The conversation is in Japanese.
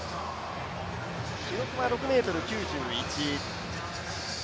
記録は６ｍ９１。